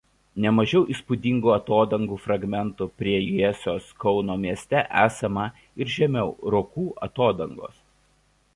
Ne mažiau įspūdingų atodangų fragmentų prie Jiesios Kauno mieste esama ir žemiau Rokų atodangos.